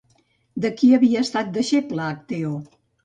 De qui havia estat deixeble Acteó?